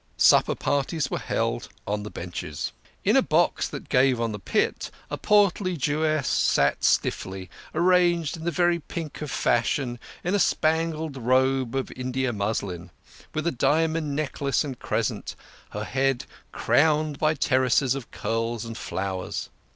Supper parties were held on the benches. In a box that gave on the pit a portly Jewess sat stiffly, arrayed in the very pink of fashion, in a spangled robe of India muslin, with a diamond necklace and crescent, her head crowned by terraces of curls and flowers.